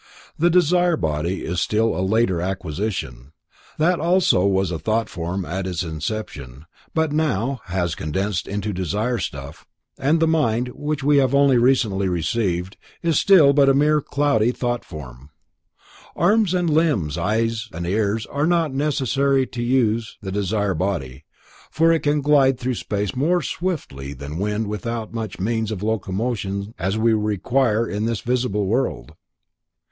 The desire body is a still later acquisition. That also was a thought form at its inception, but has now condensed to desire stuff, and the mind, which we have only recently received, is still but a mere cloudy thought form. Arms and limbs, ears and eyes are not necessary to use the desire body, for it can glide through space more swiftly than wind without such means of locomotion as we require in this visible world.